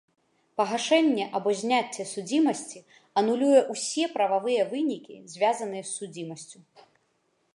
Пагашэнне або зняцце судзімасці анулюе ўсе прававыя вынікі, звязаныя з судзімасцю.